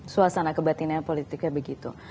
suasana kebatinan politiknya begitu